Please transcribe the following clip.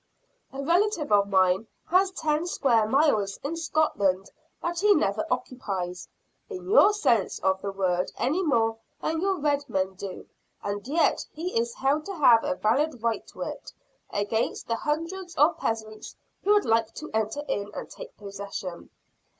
"A relative of mine has ten square miles in Scotland that he never occupies, in your sense of the word any more than your red men do; and yet he is held to have a valid right to it, against the hundreds of peasants who would like to enter in and take possession."